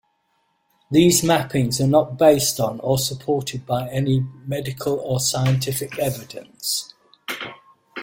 These mappings are not based on or supported by any medical or scientific evidence.